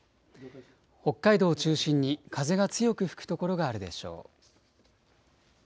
北海道を中心に風が強く吹く所があるでしょう。